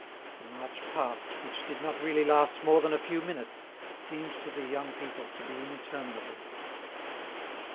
The march past, which did not really last more than a few minutes, seemed to the young people to be interminable.